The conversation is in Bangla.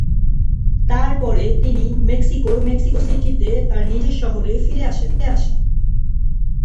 তারপরে তিনি মেক্সিকোর মেক্সিকো সিটিতে তার নিজের শহরে ফিরে আসেন।